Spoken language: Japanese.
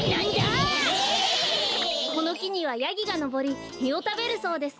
このきにはヤギがのぼりみをたべるそうです。